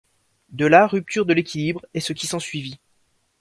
De là rupture de l’équilibre, et ce qui s’ensuivit.